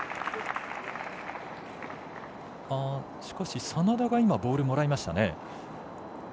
しかし、眞田がボールもらいましたね。